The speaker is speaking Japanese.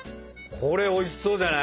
これおいしそうじゃない？